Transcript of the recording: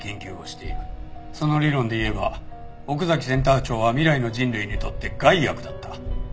その理論でいえば奥崎センター長は未来の人類にとって害悪だった。